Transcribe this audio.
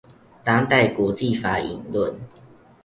當代國際法引論